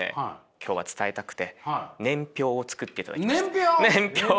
今日は伝えたくて年表を作っていただきました。年表！？